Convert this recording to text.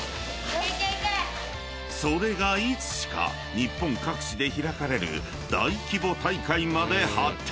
［それがいつしか日本各地で開かれる大規模大会まで発展］